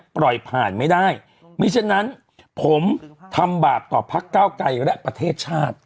ปล่อยผ่านไม่ได้มีฉะนั้นผมทำบาปต่อพักเก้าไกรและประเทศชาติ